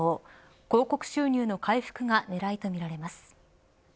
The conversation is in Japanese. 広告収入の回復が狙いとみられます。